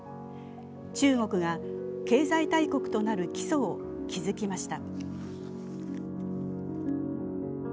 中国が経済大国となる基礎を築きました。